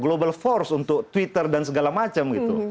global force untuk twitter dan segala macam gitu